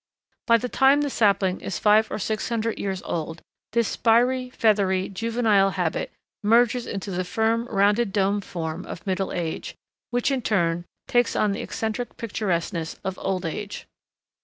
By the time the sapling is five or six hundred years old this spiry, feathery, juvenile habit merges into the firm, rounded dome form of middle age, which in turn takes on the eccentric picturesqueness of old age.